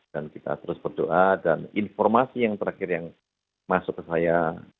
dan kita terus berdoa dan informasi yang terakhir yang masuk ke saya